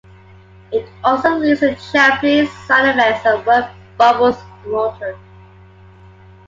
It also leaves the Japanese sound effects and word bubbles unaltered.